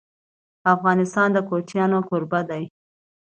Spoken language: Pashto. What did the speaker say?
افغانستان د کوچیان کوربه دی.